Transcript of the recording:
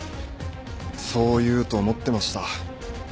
そう言うと思ってました。